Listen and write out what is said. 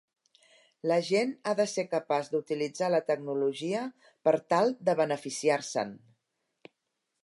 La gent ha de ser capaç d'utilitzar la tecnologia per tal de beneficiar-se'n.